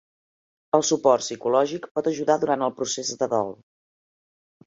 El suport psicològic pot ajudar durant el procés de dol.